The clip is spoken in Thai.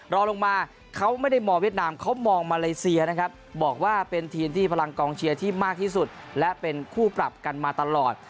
รอลงมาเขาไม่ได้มองเวียดนามเขามองมาเลเซียนะครับบอกว่าเป็นทีมที่พลังกองเชียร์ที่มากที่สุดและเป็นคู่ปรับกันมาตลอด